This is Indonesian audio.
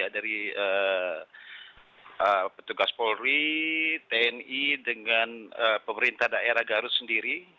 dari petugas polri tni dengan pemerintah daerah garut sendiri